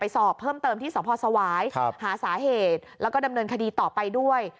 สอบเพิ่มเติมที่สพสวายหาสาเหตุแล้วก็ดำเนินคดีต่อไปด้วย